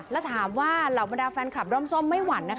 แล้วถามว่าเหล่าบรรดาแฟนคลับร่อมส้มไม่หวั่นนะคะ